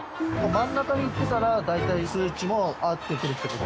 真ん中にいってたら大体数値も合ってくるって事ですか？